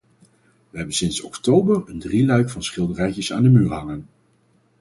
We hebben sinds oktober een drieluik van schilderijtjes aan de muur hangen.